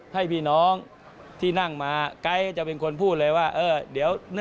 ให้พี่น้องที่นั่งมาไอ้จะเป็นคนพูดเลยว่า